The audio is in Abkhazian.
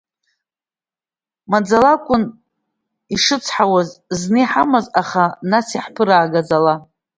Маӡала акәын ишыцҳауаз зны иҳамаз, аха нас иаҳԥыраагаз ала…